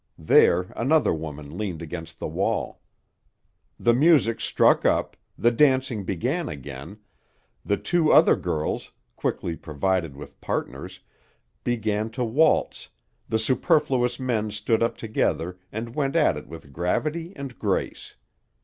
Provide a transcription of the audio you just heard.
There another woman leaned against the wall. The music struck up, the dancing began again, the two other girls, quickly provided with partners, began to waltz, the superfluous men stood up together and went at it with gravity and grace.